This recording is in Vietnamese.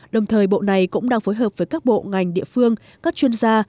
đồng thời bộ này cũng đang phối hợp với các bộ ngành địa phương các chuyên gia